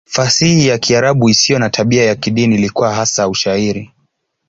Fasihi ya Kiarabu isiyo na tabia ya kidini ilikuwa hasa Ushairi.